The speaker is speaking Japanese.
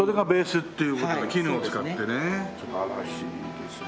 素晴らしいですね。